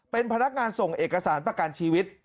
เป็นพนักงานส่งเอกสารประกันชีวิต